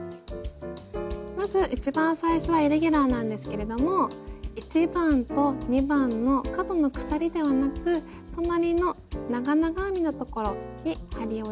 まず一番最初はイレギュラーなんですけれども１番と２番の角の鎖ではなく隣の長々編みのところに針を入れて引き抜きをしていきます。